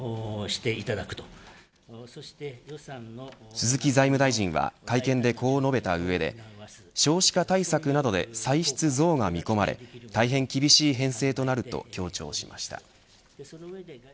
鈴木財務大臣は会見でこう述べたうえで少子化対策などで歳出増が見込まれ大変厳しい編成となると強調しました。